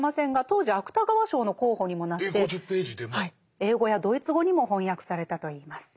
英語やドイツ語にも翻訳されたといいます。